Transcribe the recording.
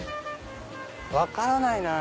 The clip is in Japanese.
分からないなぁ。